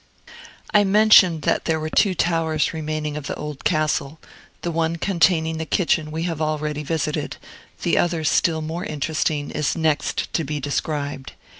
I mentioned that there were two towers remaining of the old castle: the one containing the kitchen we have already visited; the other, still more interesting, is next to be described.